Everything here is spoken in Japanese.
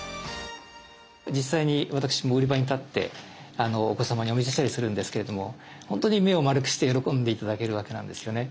実際に私も売り場に立ってお子様にお見せしたりするんですけれども本当に目を丸くして喜んで頂けるわけなんですよね。